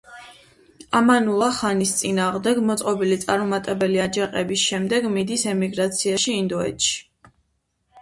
ამანულა ხანის წინააღმდეგ მოწყობილი წარუმატებელი აჯანყების შემდეგ მიდის ემიგრაციაში ინდოეთში.